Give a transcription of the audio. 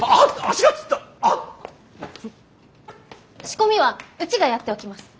仕込みはうちがやっておきます。